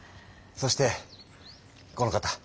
そしてこの方。